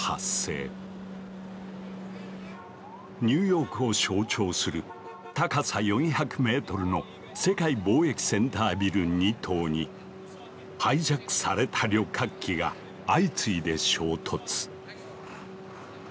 ニューヨークを象徴する高さ４００メートルの世界貿易センタービル２棟にハイジャックされた旅客機が相次いで衝突。